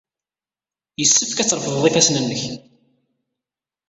Yessefk ad trefdeḍ ifassen-nnek.